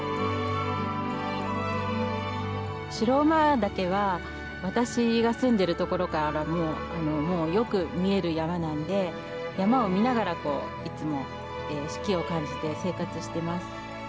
白馬岳は私が住んでるところからもよく見える山なんで山を見ながらいつも四季を感じて生活してます。